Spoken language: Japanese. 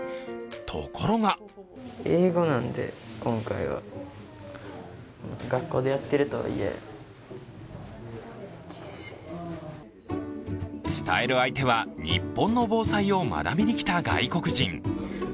ところが伝える相手は日本の防災を学びにきた外国人。